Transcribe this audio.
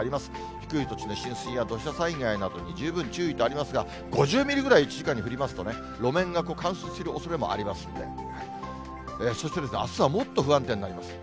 低い土地の浸水や土砂災害などに十分注意とありますが、５０ミリぐらい、１時間に降りますとね、路面が冠水するおそれもありますんで、そしてあすはもっと不安定になります。